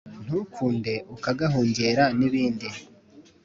ntukunde uka gahungera ni bindi